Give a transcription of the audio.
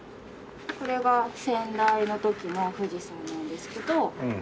これが先代の時の富士山なんですけど。